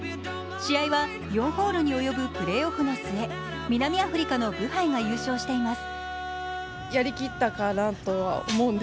試合は４ホールに及ぶプレーオフの末、南アフリカのブハイが優勝しています。